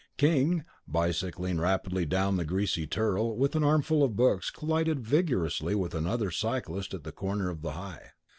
King, bicycling rapidly down the greasy Turl with an armful of books, collided vigorously with another cyclist at the corner of the High.